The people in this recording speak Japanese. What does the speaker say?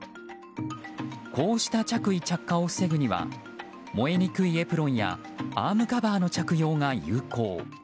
こうした着衣着火を防ぐには燃えにくいエプロンやアームカバーの着用が有効。